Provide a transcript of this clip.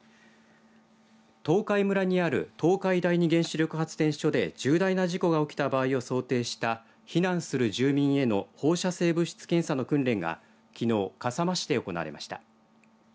東海村にある東海第二原子力発電所で重大な事故が起きた場合を想定した避難する住民への放射性物質検査の訓練がきのう、笠間市で行われました。